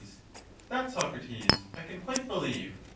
That, Socrates, I can quite believe.